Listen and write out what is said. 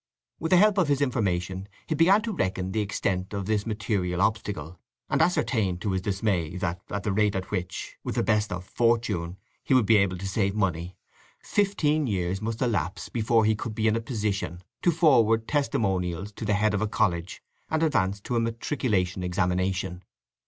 With the help of his information he began to reckon the extent of this material obstacle, and ascertained, to his dismay, that, at the rate at which, with the best of fortune, he would be able to save money, fifteen years must elapse before he could be in a position to forward testimonials to the head of a college and advance to a matriculation examination.